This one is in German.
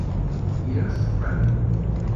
Here’s Freddy!